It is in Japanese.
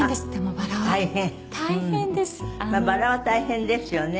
バラは大変ですよね。